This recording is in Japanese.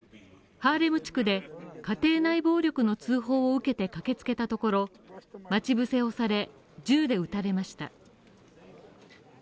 モラさんは先月２１日、ハーレム地区で家庭内暴力の通報を受けて駆けつけたところ、待ち伏せをされ、銃で撃たれました。